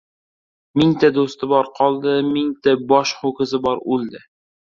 • Mingta do‘sti bor ― qoldi, ming bosh ho‘kizi bor ― o‘ldi.